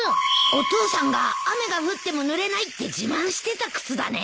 お父さんが雨が降ってもぬれないって自慢してた靴だね。